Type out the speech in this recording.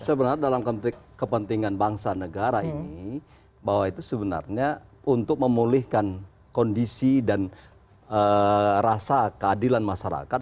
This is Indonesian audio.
sebenarnya dalam konteks kepentingan bangsa negara ini bahwa itu sebenarnya untuk memulihkan kondisi dan rasa keadilan masyarakat